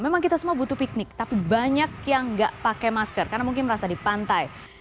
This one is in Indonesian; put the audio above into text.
memang kita semua butuh piknik tapi banyak yang nggak pakai masker karena mungkin merasa di pantai